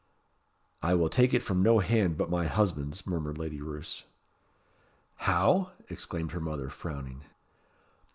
"I will take it from no hand but my husband's," murmured Lady Roos. "How?" exclaimed her mother, frowning.